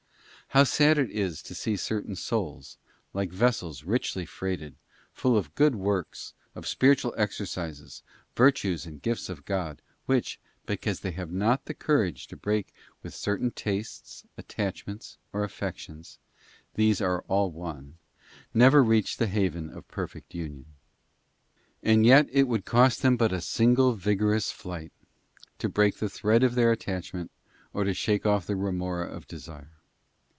How sad it is to see certain souls, like vessels richly freighted, full of good works, of spiritual exercises, virtues and gifts of God, which, because they have not the courage to break with certain tastes, attachments, or affections—these aré all one—never reach the haven of perfect union. And yet it would cost them but a single vigorous flight to break the thread of their attachment or to shake off the remora of desire.